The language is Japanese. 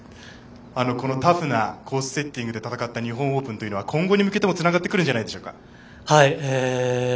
このタフなコースセッティングで戦った日本オープンというのは今後に向けてもつながってくるんじゃないでしょうか。